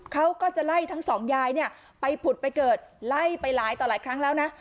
เขาก็จะไล่ทั้งสองยายเนี่ยไปผุดไปเกิดไล่ไปหลายต่อหลายครั้งแล้วนะ